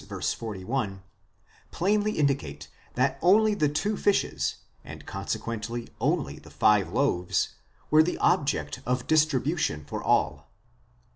41), plainly indicate that only the two fishes—and consequently only the five loaves—were the object of distri bution for all.